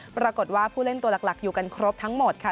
ปรากฏว่าผู้เล่นตัวหลักอยู่กันครบทั้งหมดค่ะ